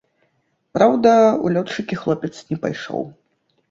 Праўда, у лётчыкі хлопец не пайшоў.